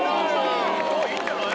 ・ああいいんじゃない？